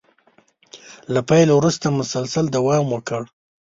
له پيل وروسته مسلسل دوام وکړي.